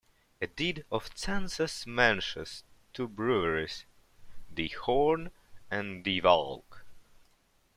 A deed of census mentions two breweries, "De Hoorn" and "De Valck".